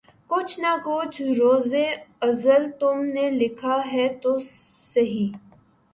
کچھ نہ کچھ روزِ ازل تم نے لکھا ہے تو سہی